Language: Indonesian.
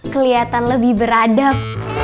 keliatan lebih beradab